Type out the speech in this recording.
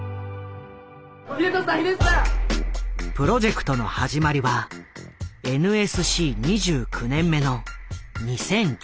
プロジェクトの始まりはＮＳＣ２９年目の２０１１年。